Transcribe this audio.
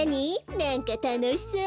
なんかたのしそう。